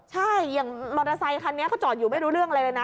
ใช่อย่างมอเตอร์ไซคันนี้เขาจอดอยู่ไม่รู้เรื่องอะไรเลยนะ